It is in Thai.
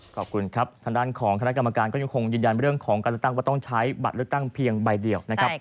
ขอบคุณครับทางด้านของคณะกรรมการก็ยังคงยืนยันเรื่องของการเลือกตั้งว่าต้องใช้บัตรเลือกตั้งเพียงใบเดียวนะครับ